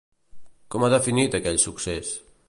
Com ha definit aquell succés?